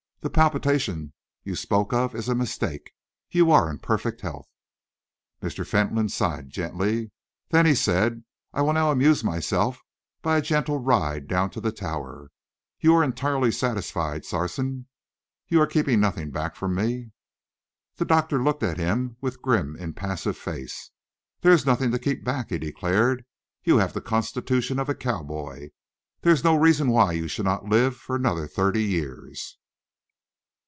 "The palpitation you spoke of is a mistake. You are in perfect health." Mr. Fentolin sighed gently. "Then," he said, "I will now amuse myself by a gentle ride down to the Tower. You are entirely satisfied, Sarson? You are keeping nothing back from me?" The doctor looked at him with grim, impassive face. "There is nothing to keep back," he declared. "You have the constitution of a cowboy. There is no reason why you should not live for another thirty years."